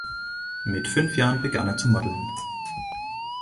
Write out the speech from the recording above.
Mit fünf Jahren begann er zu modeln.